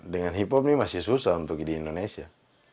dengan hip hop ini masih susah untuk di indonesia